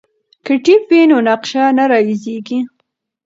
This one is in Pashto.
که ټیپ وي نو نقشه نه راویځیږي.